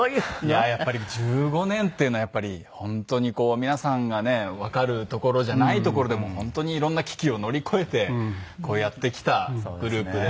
いややっぱり１５年っていうのはやっぱり本当にこう皆さんがねわかるところじゃないところでも本当に色んな危機を乗り越えてやってきたグループで。